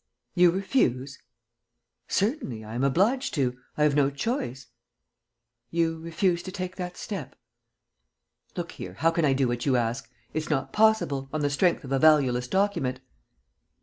"You refuse?" "Certainly, I am obliged to; I have no choice." "You refuse to take that step?" "Look here, how can I do what you ask? It's not possible, on the strength of a valueless document...."